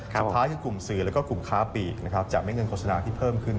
เฉพาะกลุ่มสื่อแล้วก็กลุ่มค้าปีกจะมีเงินโฆษณาที่เพิ่มขึ้น